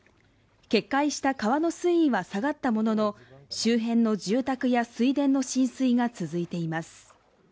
決壊した川の水位は下がったものの周辺の住宅や水田の浸水が続いています。